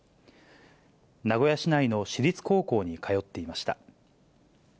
名古屋市内の私立高校に通っていました。